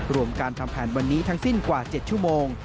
รวมการทำแผนวันนี้ทั้งสิ้นกว่า๗ชั่วโมง